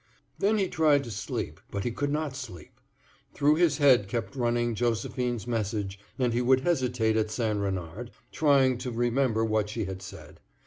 Then he tried to sleep, but he could not sleep. Through his head kept running Josephine's message, and he would hesitate at St. Renard, trying to remember what she had said.